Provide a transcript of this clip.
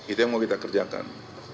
itu yang mau kita kerjakan